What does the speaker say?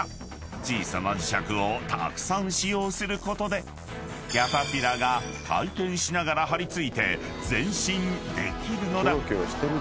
［小さな磁石をたくさん使用することでキャタピラが回転しながら張り付いて前進できるのだ］